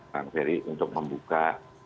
bang ferry untuk membuka